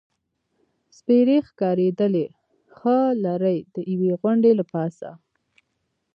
سپېرې ښکارېدلې، ښه لرې، د یوې غونډۍ له پاسه.